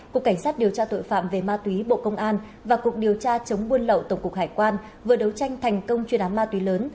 cục cảnh sát điều tra tội phạm về ma túy bộ công an và cục điều tra chống buôn lậu tổng cục hải quan vừa đấu tranh thành công chuyên án ma túy lớn